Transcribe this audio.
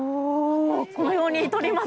このように取ります。